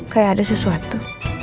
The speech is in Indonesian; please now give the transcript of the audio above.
kayak ada sesuatu